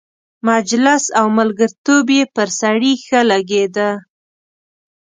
مجلس او ملګرتوب یې پر سړي ښه لګېده.